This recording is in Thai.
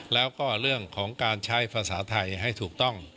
แล้วก็เรื่องของการใช้ภาษาไทยให้ถูกต้อง